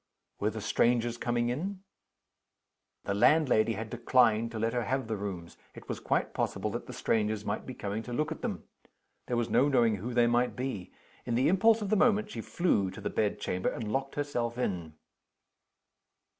Were the strangers coming in? The landlady had declined to let her have the rooms: it was quite possible that the strangers might be coming to look at them. There was no knowing who they might be. In the impulse of the moment she flew to the bedchamber and locked herself in.